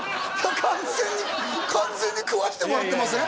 完全に完全に食わせてもらってません？